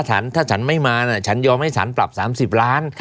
ฉันถ้าฉันไม่มาฉันยอมให้ฉันปรับ๓๐ล้าน